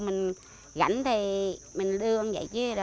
mình rảnh thì mình đưa không vậy chứ